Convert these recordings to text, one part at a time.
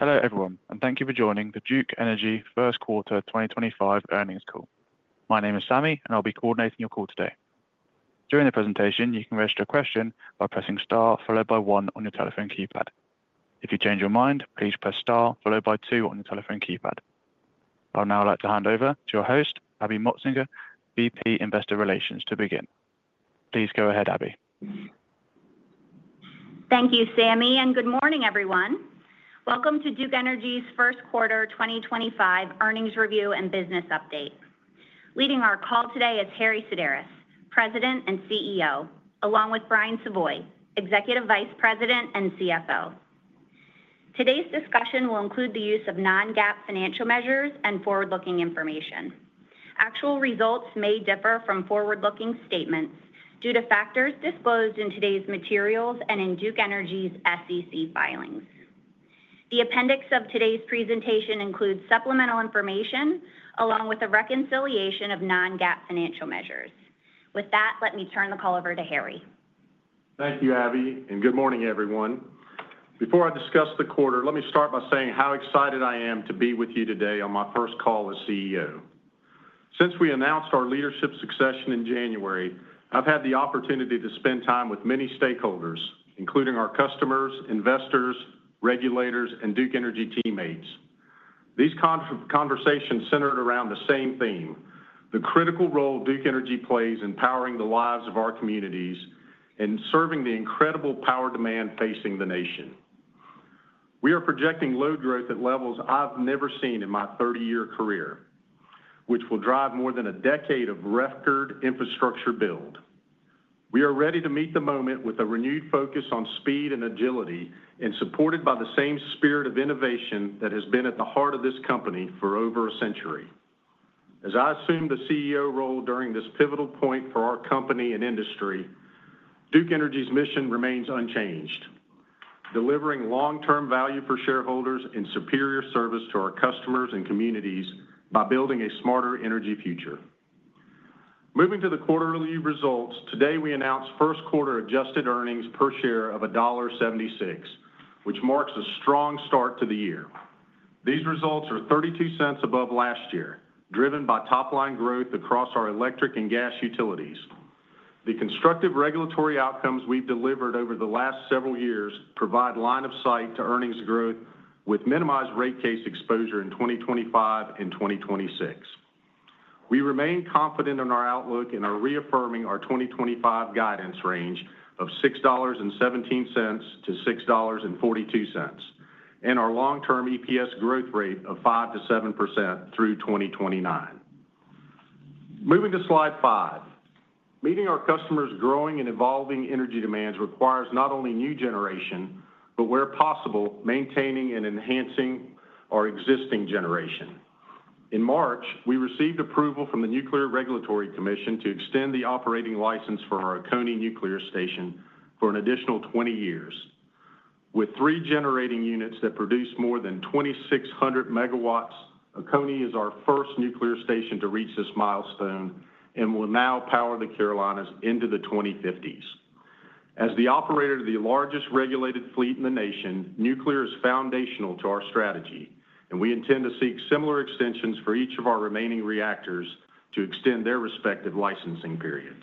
Hello everyone, and thank you for joining the Duke Energy first quarter 2025 earnings call. My name is Sammy, and I'll be coordinating your call today. During the presentation, you can register a question by pressing star followed by one on your telephone keypad. If you change your mind, please press star followed by two on your telephone keypad. I'd now like to hand over to your host, Abby Motsinger, VP Investor Relations, to begin. Please go ahead, Abby. Thank you, Sammy, and good morning, everyone. Welcome to Duke Energy's first quarter 2025 earnings review and business update. Leading our call today is Harry Sideris, President and CEO, along with Brian Savoy, Executive Vice President and CFO. Today's discussion will include the use of non-GAAP financial measures and forward-looking information. Actual results may differ from forward-looking statements due to factors disclosed in today's materials and in Duke Energy's SEC filings. The appendix of today's presentation includes supplemental information along with a reconciliation of non-GAAP financial measures. With that, let me turn the call over to Harry. Thank you, Abby, and good morning, everyone. Before I discuss the quarter, let me start by saying how excited I am to be with you today on my first call as CEO. Since we announced our leadership succession in January, I've had the opportunity to spend time with many stakeholders, including our customers, investors, regulators, and Duke Energy teammates. These conversations centered around the same theme: the critical role Duke Energy plays in powering the lives of our communities and serving the incredible power demand facing the nation. We are projecting load growth at levels I've never seen in my 30-year career, which will drive more than a decade of record infrastructure build. We are ready to meet the moment with a renewed focus on speed and agility, and supported by the same spirit of innovation that has been at the heart of this company for over a century. As I assume the CEO role during this pivotal point for our company and industry, Duke Energy's mission remains unchanged: delivering long-term value for shareholders and superior service to our customers and communities by building a smarter energy future. Moving to the quarterly results, today we announced first quarter adjusted earnings per share of $1.76, which marks a strong start to the year. These results are 32 cents above last year, driven by top-line growth across our electric and gas utilities. The constructive regulatory outcomes we've delivered over the last several years provide line of sight to earnings growth with minimized rate case exposure in 2025 and 2026. We remain confident in our outlook and are reaffirming our 2025 guidance range of $6.17-$6.42, and our long-term EPS growth rate of 5%-7% through 2029. Moving to slide five, meeting our customers' growing and evolving energy demands requires not only new generation, but where possible, maintaining and enhancing our existing generation. In March, we received approval from the Nuclear Regulatory Commission to extend the operating license for our Oconee nuclear station for an additional 20 years, with three generating units that produce more than 2,600 MW. Oconee is our first nuclear station to reach this milestone and will now power the Carolinas into the 2050s. As the operator of the largest regulated fleet in the nation, nuclear is foundational to our strategy, and we intend to seek similar extensions for each of our remaining reactors to extend their respective licensing periods.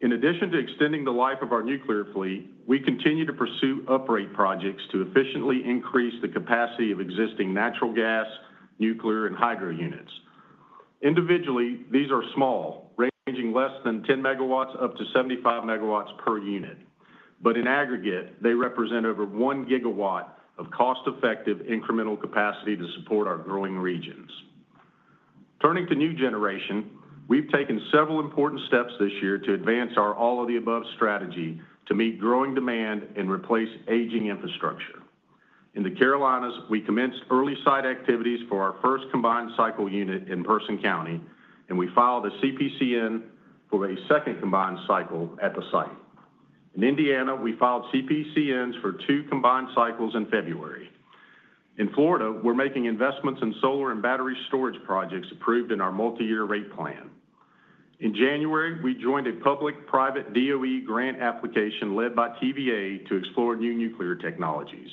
In addition to extending the life of our nuclear fleet, we continue to pursue uprate projects to efficiently increase the capacity of existing natural gas, nuclear, and hydro units. Individually, these are small, ranging less than 10 MW up to 75 MW per unit, but in aggregate, they represent over 1 GW of cost-effective incremental capacity to support our growing regions. Turning to new generation, we have taken several important steps this year to advance our all-of-the-above strategy to meet growing demand and replace aging infrastructure. In the Carolinas, we commenced early site activities for our first combined cycle unit in Person County, and we filed a CPCN for a second combined cycle at the site. In Indiana, we filed CPCNs for two combined cycles in February. In Florida, we are making investments in solar and battery storage projects approved in our multi-year rate plan. In January, we joined a public-private DOE grant application led by TVA to explore new nuclear technologies.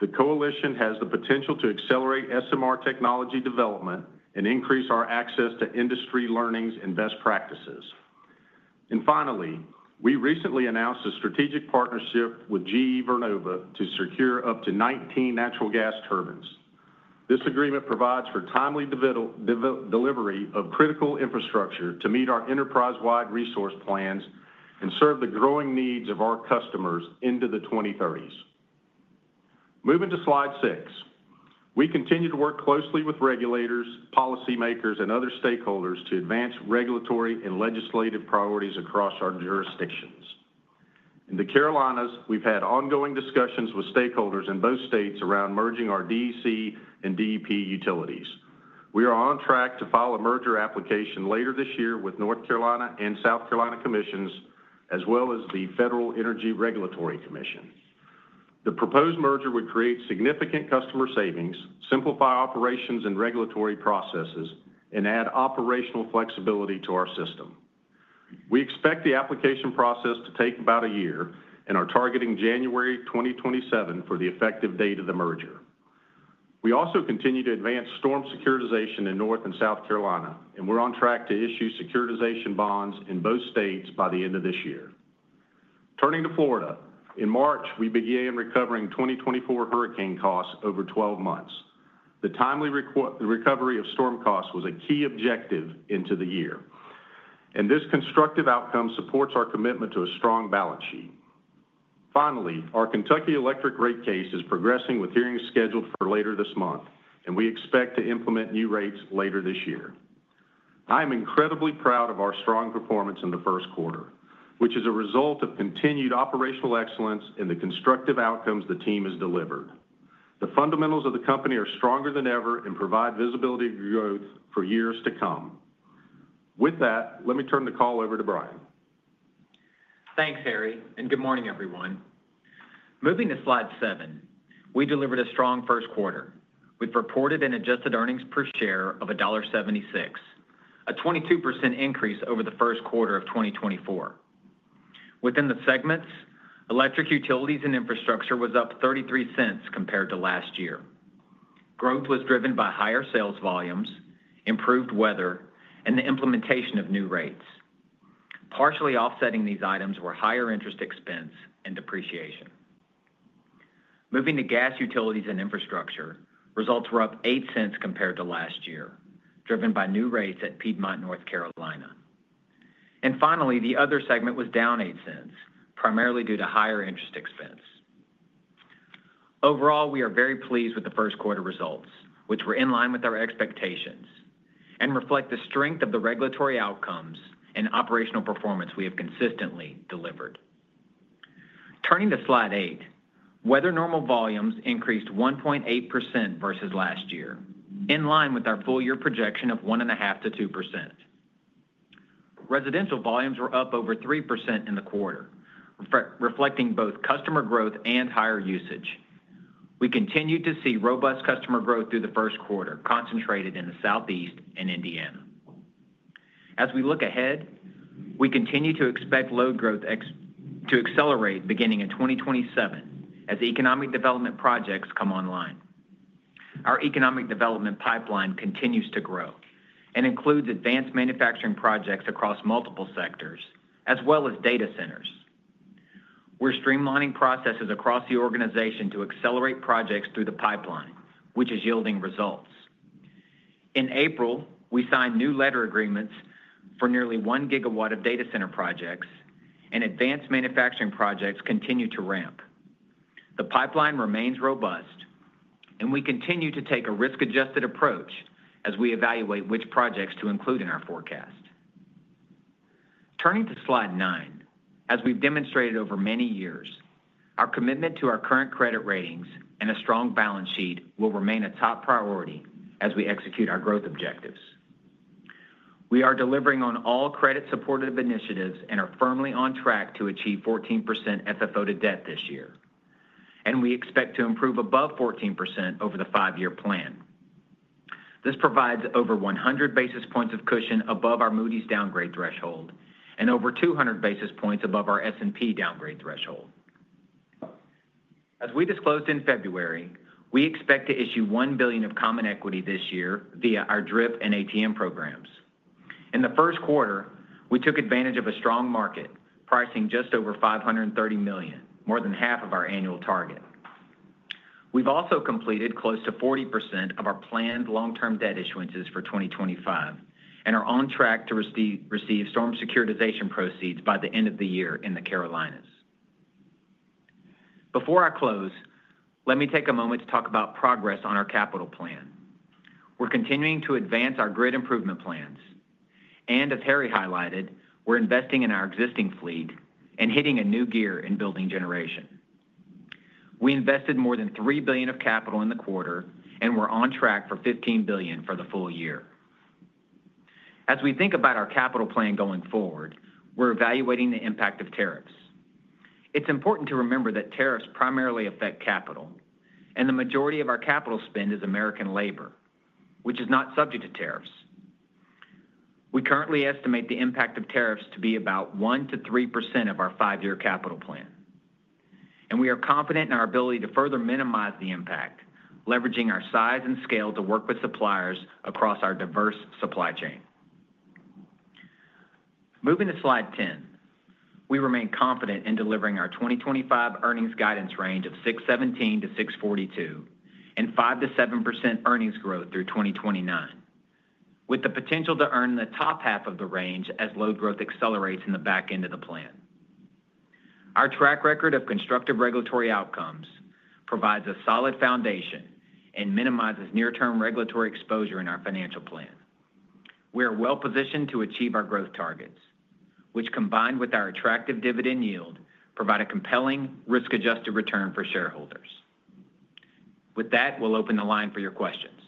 The coalition has the potential to accelerate SMR technology development and increase our access to industry learnings and best practices. Finally, we recently announced a strategic partnership with GE Vernova to secure up to 19 natural gas turbines. This agreement provides for timely delivery of critical infrastructure to meet our enterprise-wide resource plans and serve the growing needs of our customers into the 2030s. Moving to slide six, we continue to work closely with regulators, policymakers, and other stakeholders to advance regulatory and legislative priorities across our jurisdictions. In the Carolinas, we've had ongoing discussions with stakeholders in both states around merging our DEC and DEP utilities. We are on track to file a merger application later this year with North Carolina and South Carolina commissions, as well as the Federal Energy Regulatory Commission. The proposed merger would create significant customer savings, simplify operations and regulatory processes, and add operational flexibility to our system. We expect the application process to take about a year and are targeting January 2027 for the effective date of the merger. We also continue to advance storm securitization in North and South Carolina, and we're on track to issue securitization bonds in both states by the end of this year. Turning to Florida, in March, we began recovering 2024 hurricane costs over 12 months. The timely recovery of storm costs was a key objective into the year, and this constructive outcome supports our commitment to a strong balance sheet. Finally, our Kentucky electric rate case is progressing with hearings scheduled for later this month, and we expect to implement new rates later this year. I am incredibly proud of our strong performance in the first quarter, which is a result of continued operational excellence and the constructive outcomes the team has delivered. The fundamentals of the company are stronger than ever and provide visibility of growth for years to come. With that, let me turn the call over to Brian. Thanks, Harry, and good morning, everyone. Moving to slide seven, we delivered a strong first quarter with reported and adjusted earnings per share of $1.76, a 22% increase over the first quarter of 2024. Within the segments, electric utilities and infrastructure was up $0.33 compared to last year. Growth was driven by higher sales volumes, improved weather, and the implementation of new rates. Partially offsetting these items were higher interest expense and depreciation. Moving to gas utilities and infrastructure, results were up $0.08 compared to last year, driven by new rates at Piedmont, North Carolina. Finally, the other segment was down $0.08, primarily due to higher interest expense. Overall, we are very pleased with the first quarter results, which were in line with our expectations and reflect the strength of the regulatory outcomes and operational performance we have consistently delivered. Turning to slide eight, weather normal volumes increased 1.8% versus last year, in line with our full-year projection of 1.5-2%. Residential volumes were up over 3% in the quarter, reflecting both customer growth and higher usage. We continue to see robust customer growth through the first quarter, concentrated in the Southeast and Indiana. As we look ahead, we continue to expect load growth to accelerate beginning in 2027 as economic development projects come online. Our economic development pipeline continues to grow and includes advanced manufacturing projects across multiple sectors, as well as data centers. We're streamlining processes across the organization to accelerate projects through the pipeline, which is yielding results. In April, we signed new letter agreements for nearly 1 GW of data center projects, and advanced manufacturing projects continue to ramp. The pipeline remains robust, and we continue to take a risk-adjusted approach as we evaluate which projects to include in our forecast. Turning to slide nine, as we've demonstrated over many years, our commitment to our current credit ratings and a strong balance sheet will remain a top priority as we execute our growth objectives. We are delivering on all credit-supportive initiatives and are firmly on track to achieve 14% FFO to debt this year, and we expect to improve above 14% over the five-year plan. This provides over 100 basis points of cushion above our Moody's downgrade threshold and over 200 basis points above our S&P downgrade threshold. As we disclosed in February, we expect to issue $1 billion of common equity this year via our DRIP and ATM programs. In the first quarter, we took advantage of a strong market pricing just over $530 million, more than half of our annual target. We've also completed close to 40% of our planned long-term debt issuances for 2025 and are on track to receive storm securitization proceeds by the end of the year in the Carolinas. Before I close, let me take a moment to talk about progress on our capital plan. We're continuing to advance our grid improvement plans, and as Harry highlighted, we're investing in our existing fleet and hitting a new gear in building generation. We invested more than $3 billion of capital in the quarter and we're on track for $15 billion for the full year. As we think about our capital plan going forward, we're evaluating the impact of tariffs. It's important to remember that tariffs primarily affect capital, and the majority of our capital spend is American labor, which is not subject to tariffs. We currently estimate the impact of tariffs to be about 1-3% of our five-year capital plan, and we are confident in our ability to further minimize the impact, leveraging our size and scale to work with suppliers across our diverse supply chain. Moving to slide 10, we remain confident in delivering our 2025 earnings guidance range of $6.17-$6.42 and 5-7% earnings growth through 2029, with the potential to earn the top half of the range as load growth accelerates in the back end of the plan. Our track record of constructive regulatory outcomes provides a solid foundation and minimizes near-term regulatory exposure in our financial plan. We are well positioned to achieve our growth targets, which combined with our attractive dividend yield provide a compelling risk-adjusted return for shareholders. With that, we'll open the line for your questions.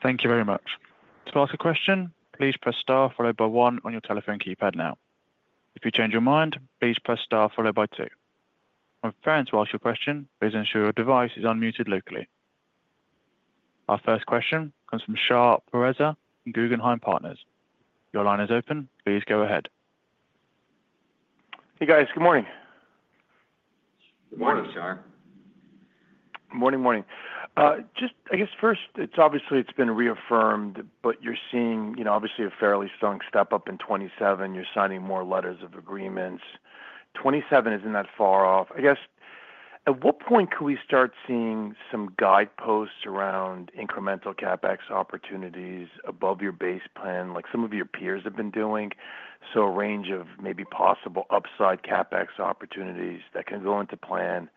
Thank you very much. To ask a question, please press star followed by one on your telephone keypad now. If you change your mind, please press star followed by two. For friends who ask your question, please ensure your device is unmuted locally. Our first question comes from Shar Pourreza and Guggenheim Partners. Your line is open. Please go ahead. Hey, guys. Good morning. Good morning, Shar. Morning, morning. Just, I guess, first, it's obviously been reaffirmed, but you're seeing, obviously, a fairly strong step up in 2027. You're signing more letters of agreements. 2027 isn't that far off. I guess, at what point could we start seeing some guideposts around incremental CapEx opportunities above your base plan, like some of your peers have been doing? So a range of maybe possible upside CapEx opportunities that can go into plan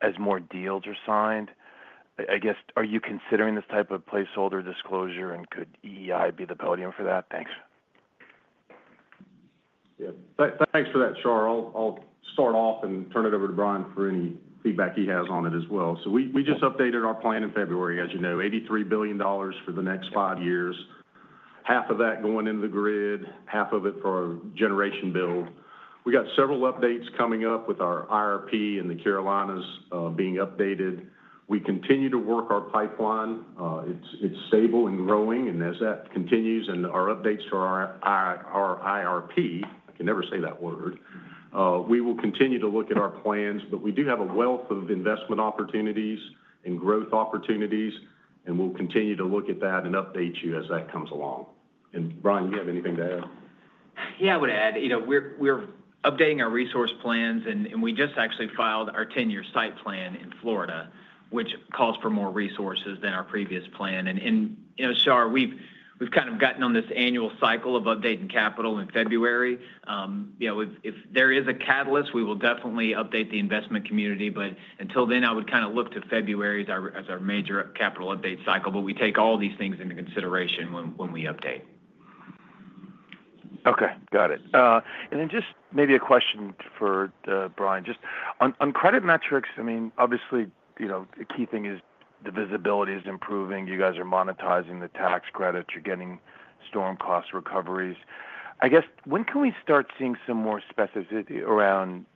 as more deals are signed. I guess, are you considering this type of placeholder disclosure, and could EEI be the podium for that? Thanks. Yeah. Thanks for that, Shar. I'll start off and turn it over to Brian for any feedback he has on it as well. We just updated our plan in February, as you know, $83 billion for the next five years, half of that going into the grid, half of it for a generation build. We got several updates coming up with our IRP and the Carolinas being updated. We continue to work our pipeline. It's stable and growing, and as that continues and our updates to our IRP, I can never say that word, we will continue to look at our plans, but we do have a wealth of investment opportunities and growth opportunities, and we'll continue to look at that and update you as that comes along. Brian, do you have anything to add? Yeah, I would add. We're updating our resource plans, and we just actually filed our 10-year site plan in Florida, which calls for more resources than our previous plan. Shar, we've kind of gotten on this annual cycle of updating capital in February. If there is a catalyst, we will definitely update the investment community, but until then, I would kind of look to February as our major capital update cycle, but we take all these things into consideration when we update. Okay. Got it. Just maybe a question for Brian. Just on credit metrics, I mean, obviously, the key thing is the visibility is improving. You guys are monetizing the tax credits. You're getting storm cost recoveries. I guess, when can we start seeing some more specificity around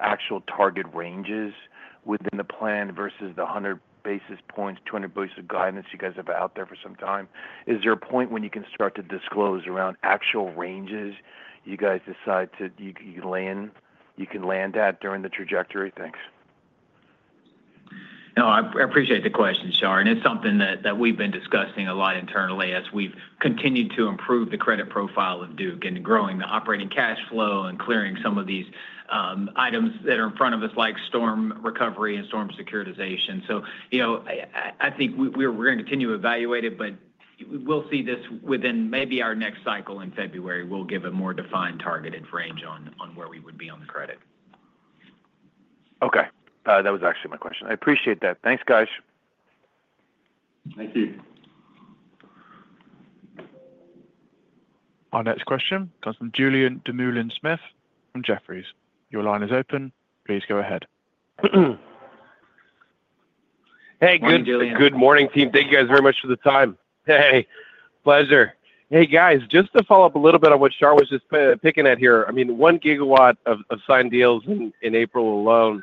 actual target ranges within the plan versus the 100 basis points, 200 basis points of guidance you guys have out there for some time? Is there a point when you can start to disclose around actual ranges you guys decide to land at during the trajectory? Thanks. No, I appreciate the question, Shar. It is something that we've been discussing a lot internally as we've continued to improve the credit profile of Duke and growing the operating cash flow and clearing some of these items that are in front of us like storm recovery and storm securitization. I think we're going to continue to evaluate it, but we'll see this within maybe our next cycle in February. We'll give a more defined targeted range on where we would be on the credit. Okay. That was actually my question. I appreciate that. Thanks, guys. Thank you. Our next question comes from Julien Dumoulin-Smith from Jefferies. Your line is open. Please go ahead. Hey, good morning, Julien. Good morning, team. Thank you guys very much for the time. Hey, pleasure. Hey, guys, just to follow up a little bit on what Shar was just picking at here. I mean, one GW of signed deals in April alone,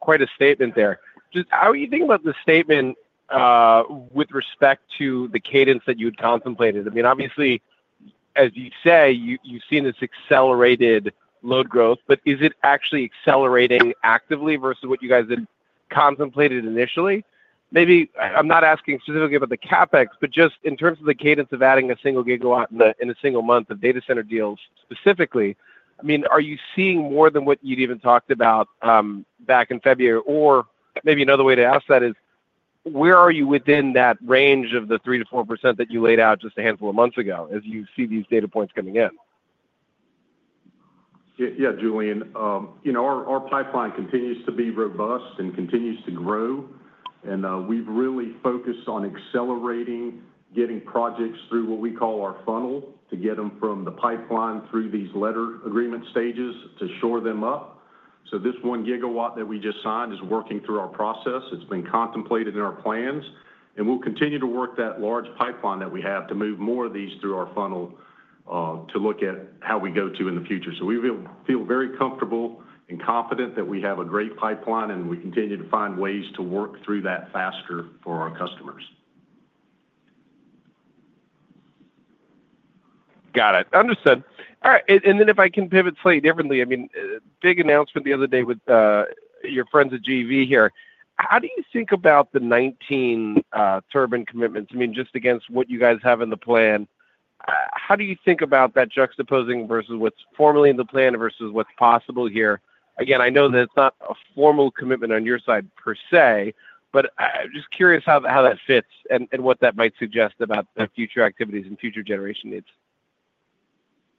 quite a statement there. Just how are you thinking about the statement with respect to the cadence that you had contemplated? I mean, obviously, as you say, you've seen this accelerated load growth, but is it actually accelerating actively versus what you guys had contemplated initially? Maybe I'm not asking specifically about the CapEx, but just in terms of the cadence of adding a single GW in a single month of data center deals specifically, I mean, are you seeing more than what you'd even talked about back in February? Maybe another way to ask that is, where are you within that range of the 3-4% that you laid out just a handful of months ago as you see these data points coming in? Yeah, Julien. Our pipeline continues to be robust and continues to grow, and we've really focused on accelerating getting projects through what we call our funnel to get them from the pipeline through these letter agreement stages to shore them up. This one GW that we just signed is working through our process. It's been contemplated in our plans, and we'll continue to work that large pipeline that we have to move more of these through our funnel to look at how we go to in the future. We feel very comfortable and confident that we have a great pipeline, and we continue to find ways to work through that faster for our customers. Got it. Understood. All right. If I can pivot slightly differently, I mean, big announcement the other day with your friends at GE Vernova here. How do you think about the 19 turbine commitments? I mean, just against what you guys have in the plan, how do you think about that juxtaposing versus what's formally in the plan versus what's possible here? Again, I know that it's not a formal commitment on your side per se, but I'm just curious how that fits and what that might suggest about future activities and future generation needs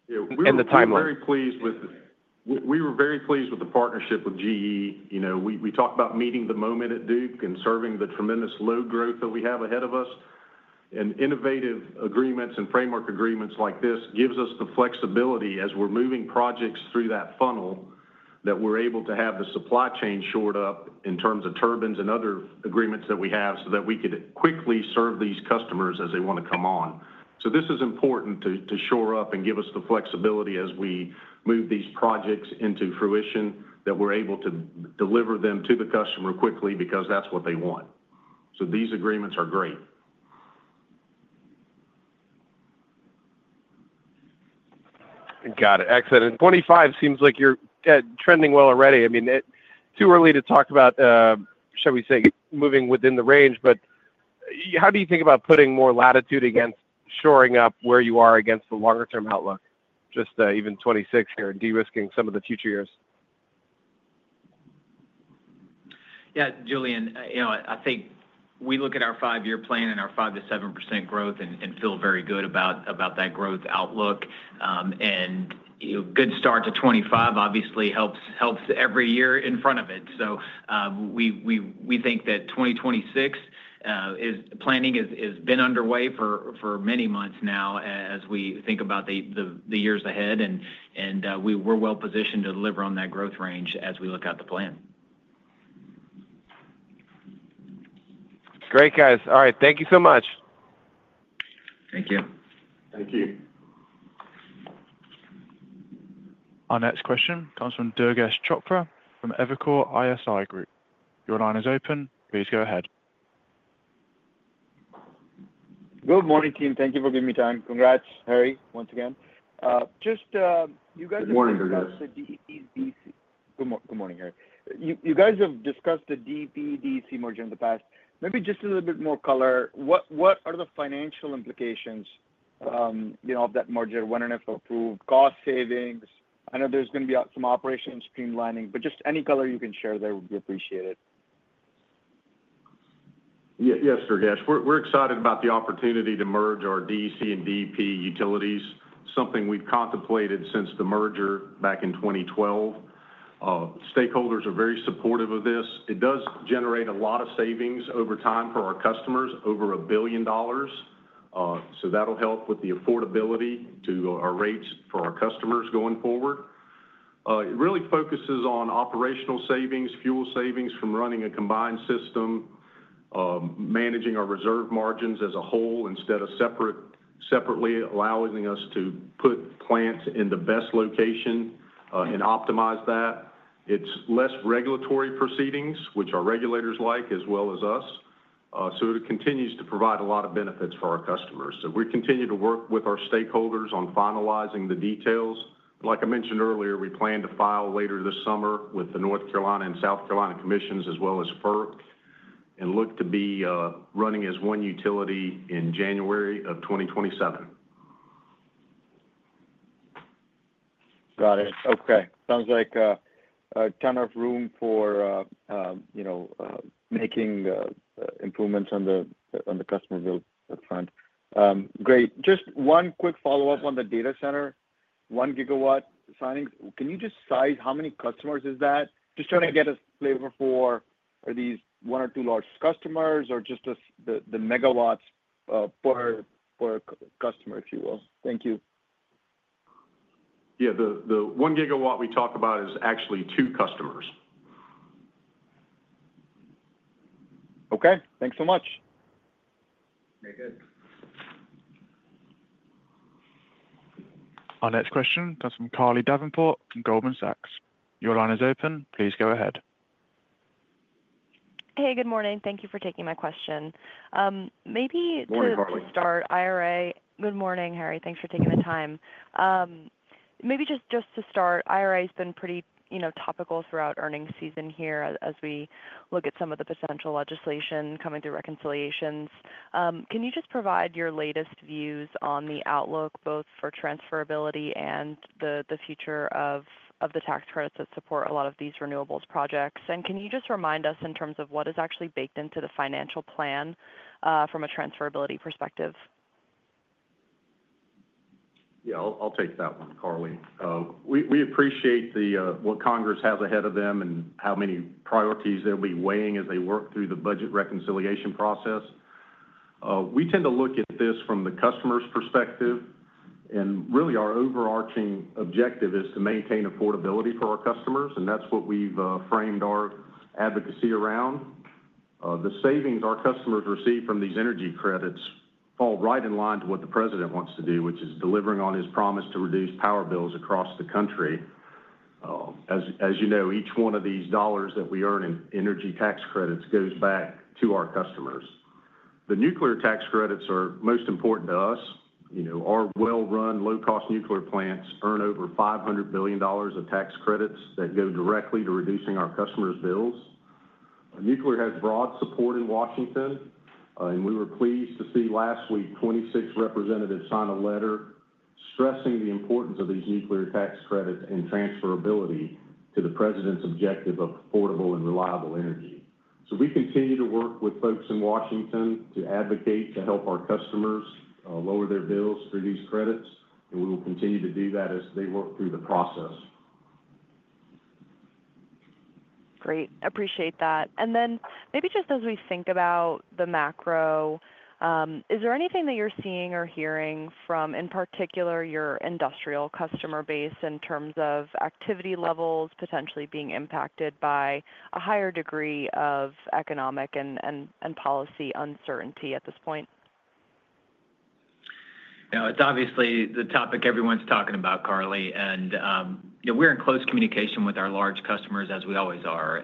and the timeline. We were very pleased with the partnership with GE. We talked about meeting the moment at Duke and serving the tremendous load growth that we have ahead of us. Innovative agreements and framework agreements like this give us the flexibility as we're moving projects through that funnel that we're able to have the supply chain shored up in terms of turbines and other agreements that we have so that we could quickly serve these customers as they want to come on. This is important to shore up and give us the flexibility as we move these projects into fruition that we're able to deliver them to the customer quickly because that's what they want. These agreements are great. Got it. Excellent. And 2025 seems like you're trending well already. I mean, too early to talk about, shall we say, moving within the range, but how do you think about putting more latitude against shoring up where you are against the longer-term outlook, just even 2026 here, de-risking some of the future years? Yeah, Julien, I think we look at our five-year plan and our 5-7% growth and feel very good about that growth outlook. A good start to 2025 obviously helps every year in front of it. We think that 2026 planning has been underway for many months now as we think about the years ahead, and we're well positioned to deliver on that growth range as we look at the plan. Great, guys. All right. Thank you so much. Thank you. Thank you. Our next question comes from Durgesh Chopra from Evercore ISI Group. Your line is open. Please go ahead. Good morning, team. Thank you for giving me time. Congrats, Harry, once again. Just you guys have discussed the DEDC. Good morning, Durgesh. Good morning, Harry. You guys have discussed the DEPDC merger in the past. Maybe just a little bit more color. What are the financial implications of that merger? When and if approved? Cost savings? I know there's going to be some operations streamlining, but just any color you can share there would be appreciated. Yes, Durgesh. We're excited about the opportunity to merge our DEC and DEP utilities, something we've contemplated since the merger back in 2012. Stakeholders are very supportive of this. It does generate a lot of savings over time for our customers, over $1 billion. That'll help with the affordability to our rates for our customers going forward. It really focuses on operational savings, fuel savings from running a combined system, managing our reserve margins as a whole instead of separately, allowing us to put plants in the best location and optimize that. It's fewer regulatory proceedings, which our regulators like as well as us. It continues to provide a lot of benefits for our customers. We continue to work with our stakeholders on finalizing the details. Like I mentioned earlier, we plan to file later this summer with the North Carolina and South Carolina Commissions as well as FERC and look to be running as one utility in January of 2027. Got it. Okay. Sounds like a ton of room for making improvements on the customer build front. Great. Just one quick follow-up on the data center, one GW signings. Can you just say how many customers is that? Just trying to get a flavor for are these one or two large customers or just the MW per customer, if you will? Thank you. Yeah. The one GW we talk about is actually two customers. Okay. Thanks so much. Very good. Our next question comes from Carly Davenport from Goldman Sachs. Your line is open. Please go ahead. Hey, good morning. Thank you for taking my question. Maybe to start. Morning, Carly. IRA. Good morning, Harry. Thanks for taking the time. Maybe just to start, IRA has been pretty topical throughout earnings season here as we look at some of the potential legislation coming through reconciliations. Can you just provide your latest views on the outlook both for transferability and the future of the tax credits that support a lot of these renewables projects? Can you just remind us in terms of what is actually baked into the financial plan from a transferability perspective? Yeah, I'll take that one, Carly. We appreciate what Congress has ahead of them and how many priorities they'll be weighing as they work through the budget reconciliation process. We tend to look at this from the customer's perspective, and really our overarching objective is to maintain affordability for our customers, and that's what we've framed our advocacy around. The savings our customers receive from these energy credits fall right in line to what the president wants to do, which is delivering on his promise to reduce power bills across the country. As you know, each one of these dollars that we earn in energy tax credits goes back to our customers. The nuclear tax credits are most important to us. Our well-run, low-cost nuclear plants earn over $500 million of tax credits that go directly to reducing our customers' bills. Nuclear has broad support in Washington, and we were pleased to see last week 26 representatives sign a letter stressing the importance of these nuclear tax credits and transferability to the president's objective of affordable and reliable energy. We continue to work with folks in Washington to advocate to help our customers lower their bills through these credits, and we will continue to do that as they work through the process. Great. Appreciate that. Maybe just as we think about the macro, is there anything that you're seeing or hearing from, in particular, your industrial customer base in terms of activity levels potentially being impacted by a higher degree of economic and policy uncertainty at this point? Now, it's obviously the topic everyone's talking about, Carly, and we're in close communication with our large customers as we always are.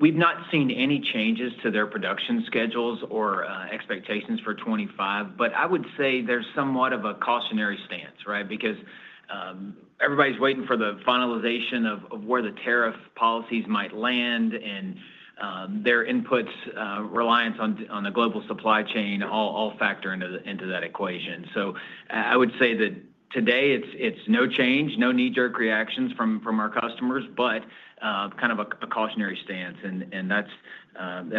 We've not seen any changes to their production schedules or expectations for 2025, but I would say there's somewhat of a cautionary stance, right? Everybody's waiting for the finalization of where the tariff policies might land, and their inputs, reliance on the global supply chain, all factor into that equation. I would say that today it's no change, no knee-jerk reactions from our customers, kind of a cautionary stance, and that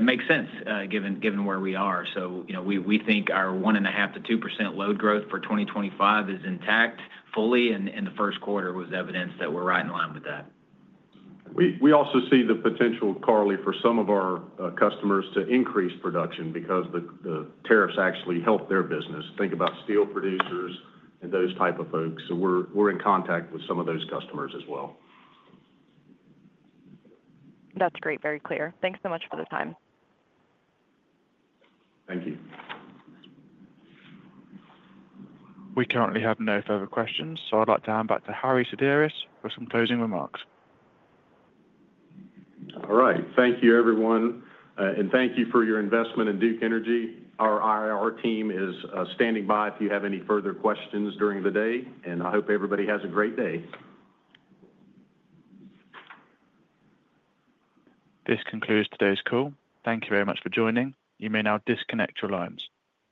makes sense given where we are. We think our 1.5-2% load growth for 2025 is intact fully, and the first quarter was evidence that we're right in line with that. We also see the potential, Carly, for some of our customers to increase production because the tariffs actually help their business. Think about steel producers and those types of folks. We are in contact with some of those customers as well. That's great. Very clear. Thanks so much for the time. Thank you. We currently have no further questions, so I'd like to hand back to Harry Sideris for some closing remarks. All right. Thank you, everyone. Thank you for your investment in Duke Energy. Our IR team is standing by if you have any further questions during the day, and I hope everybody has a great day. This concludes today's call. Thank you very much for joining. You may now disconnect your lines.